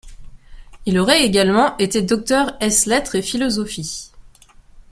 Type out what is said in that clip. Il aurait également été Docteur ès-lettres et philosophie.